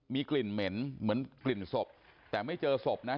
มีกลิ่นเหม็นเหมือนกลิ่นศพแต่ไม่เจอศพนะ